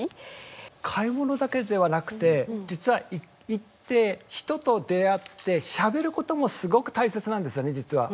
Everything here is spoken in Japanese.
買い物だけではなくて実は行って人と出会ってしゃべることもすごく大切なんですよね実は。